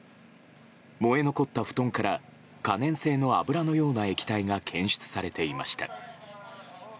燃え残った布団から可燃性の油のような液体が検出されていました。